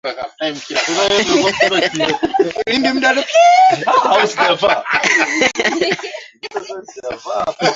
Kisiwa kikuu cha visiwa vya Zanzibar ni mahali pa kuvutia kwa watalii